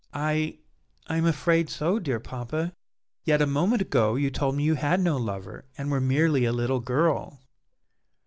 "I I am afraid so, dear papa!" "Yet a moment ago you told me you had no lover, and were merely a little girl!"